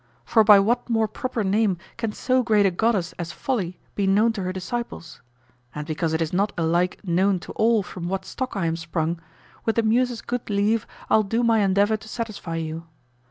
For by what more proper name can so great a goddess as Folly be known to her disciples? And because it is not alike known to all from what stock I am sprung, with the Muses' good leave I'll do my endeavor to satisfy you.